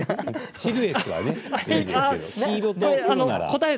シルエットはね。